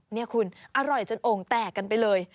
นี่คุณอร่อยจนโอ่งแตกกันไปเลย